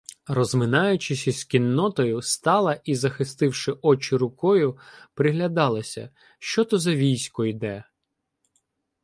Розминаючись із кіннотою, стала і, захистивши очі рукою, приглядалася, що то за військо йде.